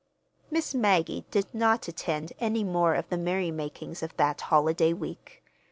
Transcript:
Miss Maggie did not attend any more of the merrymakings of that holiday week.